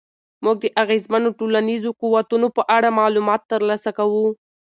موږ د اغېزمنو ټولنیزو قوتونو په اړه معلومات ترلاسه کوو.